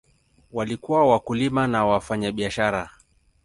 Walikuwa wakulima na wafanyabiashara.